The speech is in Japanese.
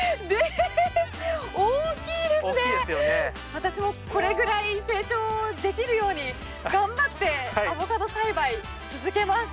私もこれぐらい成長できるように頑張ってアボカド栽培続けます。